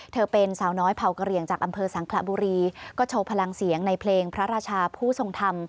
เธอเป็นสาวน้อยเผากระเหลี่ยงจากอำเภอสังขระบุรีก็โชว์พลังเสียงในเพลงพระราชาผู้ทรงธรรม